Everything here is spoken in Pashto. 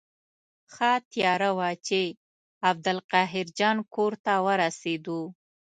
ښه تیاره وه چې عبدالقاهر جان کور ته ورسېدو.